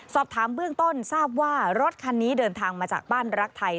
สอบถามเบื้องต้นทราบว่ารถคันนี้เดินทางมาจากบ้านรักไทย